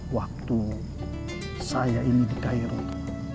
waktu saya ini di cairo